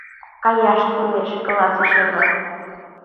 — Каяш кӱлеш, — каласыш Эдвард.